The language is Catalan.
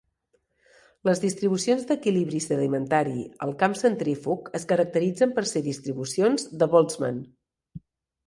Les distribucions d'equilibri sedimentari al camp centrífug es caracteritzen per ser distribucions de Boltzmann.